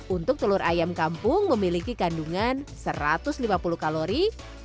untuk telur ayam kampung memiliki kandungan satu ratus lima puluh kalori